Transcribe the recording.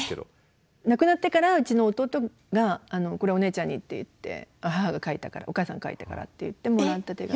亡くなってからうちの弟が「これお姉ちゃんに」って言って母が書いたからお母さん書いたからって言ってもらった手紙。